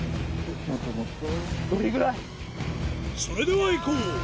それではいこう！